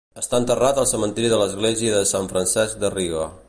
Està enterrat al cementiri de l'església de Sant Francesc de Riga.